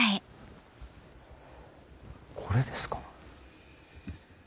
これですか？